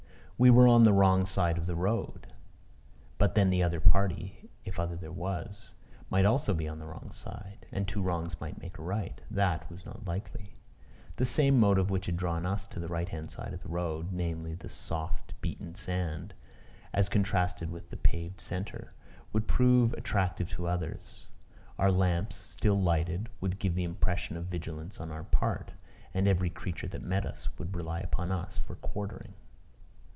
We were on the wrong side of the road. But then the other party, if other there was, might also be on the wrong side; and two wrongs might make a right. That was not likely. The same motive which had drawn us to the right hand side of the road, viz., the soft beaten sand, as contrasted with the paved centre, would prove attractive to others. Our lamps, still lighted, would give the impression of vigilance on our part. And every creature that met us, would rely upon us for quartering.